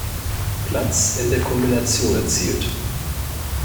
Platz in der Kombination erzielt.